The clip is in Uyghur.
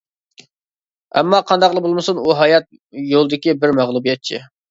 ئەمما قانداقلا بولمىسۇن ئۇ ھايات يولىدىكى بىر مەغلۇبىيەتچى.